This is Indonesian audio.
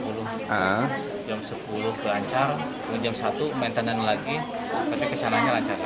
kemudian jam satu main tendan lagi tapi kesananya lancar